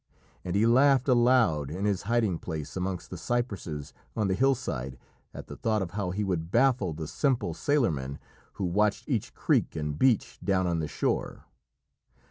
And he laughed aloud in his hiding place amongst the cypresses on the hillside at the thought of how he would baffle the simple sailormen who watched each creek and beach down on the shore.